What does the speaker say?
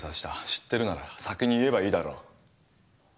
知ってるなら先に言えばいいだろ？